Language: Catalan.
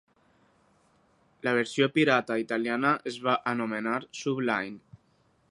La versió pirata italiana es va anomenar "Subline".